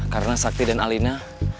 karena sakti dan alina